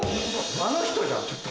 あの人じゃん！